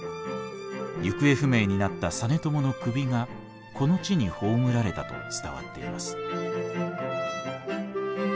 行方不明になった実朝の首がこの地に葬られたと伝わっています。